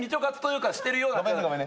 ごめんねごめんね。